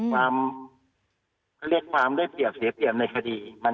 ความก็เรียกความได้เสียบในคดี